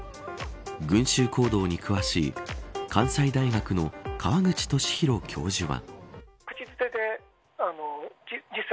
群衆行動に詳しい関西大学の川口寿裕教授は。